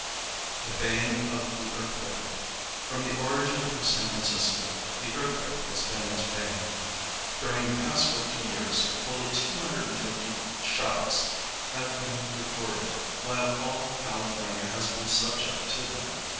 THE BANE OF THE EARTHQUAKE. From the origin of San Francisco the earthquake has been its bane. During the past fifty years fully 250 shocks have been recorded, while all California has been subject to them.